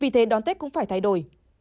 vì thế đón tết cũng phải thay đổi